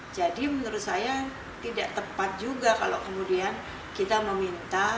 jadi menurut saya tidak tepat juga kalau kemudian kita meminta